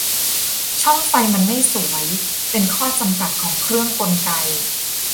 ช่องไฟมันไม่สวย เป็นข้อจำกัดของเครื่องกลไก